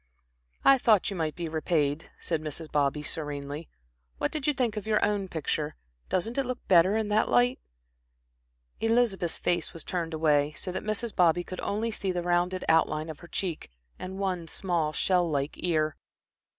"I thought you might be repaid," said Mrs. Bobby, serenely. "What did you think of your own picture? Doesn't it look better in that light?" Elizabeth's face was turned away, so that Mrs. Bobby could only see the rounded outline of her cheek and one small, shell like ear.